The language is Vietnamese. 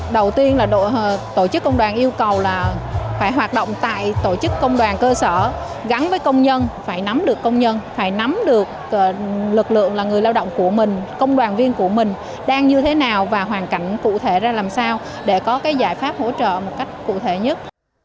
đầu tiên là đội tổ chức công đoàn yêu cầu là phải hoạt động tại tổ chức công đoàn cơ sở gắn với công nhân phải nắm được công nhân phải nắm được lực lượng là người lao động của mình công đoàn viên của mình đang như thế nào và hoàn cảnh cụ thể ra làm sao để có cái giải pháp hỗ trợ một cách cụ thể nhất